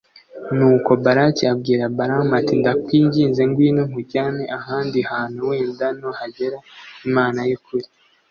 Nuko Balaki abwira Balamu ati ndakwinginze ngwino nkujyane ahandi hantu Wenda nuhagera Imana yukuri